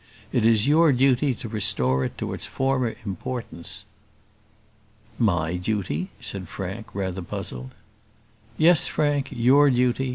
It is your duty to restore it to its former importance." "My duty!" said Frank, rather puzzled. "Yes, Frank, your duty.